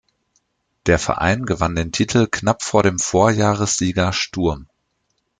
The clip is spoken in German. Der Verein gewann den Titel knapp vor dem Vorjahressieger Sturm.